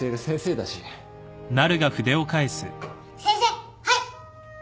先生はい！